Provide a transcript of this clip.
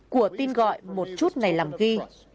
của tin gọi một chút này làm ghi